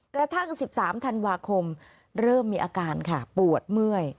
กระทั่ง๑๓ธันวาคมเริ่มมีอาการค่ะปวดเมื่อย